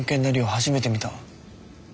初めて見た。